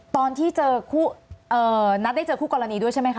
ตอนที่เจอคู่นัดได้เจอคู่กรณีด้วยใช่ไหมคะ